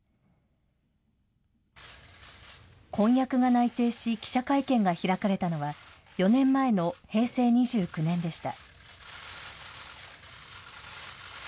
婚約が内定し、記者会見が開かれたのは、４年前の平成２９年でした。